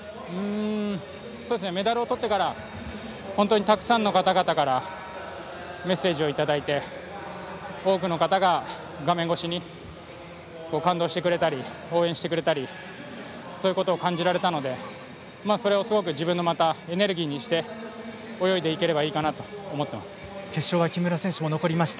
メダルをとってから本当にたくさんの方々からメッセージをいただいて多くの方が画面越しに感動してくれたり応援してくれたりそういうことを感じられたのでそれをまた自分のエネルギーにして泳いでいければいいかなと決勝は木村選手も残りました。